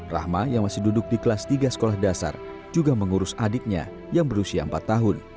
rahma yang masih duduk di kelas tiga sekolah dasar juga mengurus adiknya yang berusia empat tahun